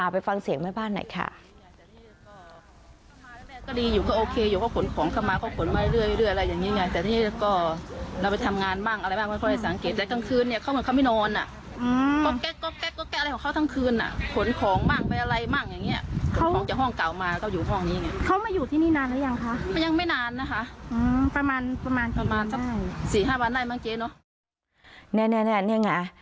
ไปฟังเสียงแม่บ้านหน่อยค่ะ